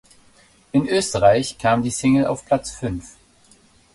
In Österreich kam die Single auf Platz fünf.